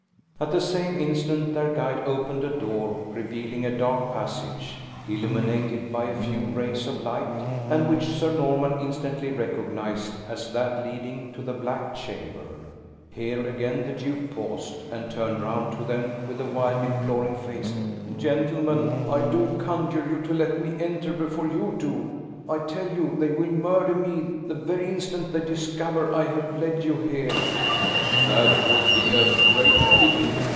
At the same instant, their guide opened a door, revealing a dark passage, illuminated by a few rays of light, and which Sir Norman instantly recognized as that leading to the Black Chamber. Here again the duke paused, and turned round to them with a wildly imploring face. "Gentlemen, I do conjure you to let me enter before you do! I tell you they will murder me the very instant they discover I have led you here!" "That would be a great pity!"